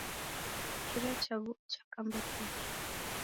Kira cha vua chakamba tiki